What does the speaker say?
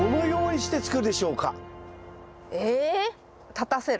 立たせる。